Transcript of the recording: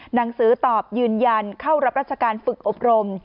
หนังสือตอบยืนยันเข้ารับราชการฝึกอบรม